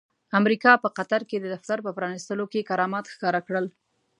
امريکا په قطر کې د دفتر په پرانستلو کې کرامات ښکاره کړل.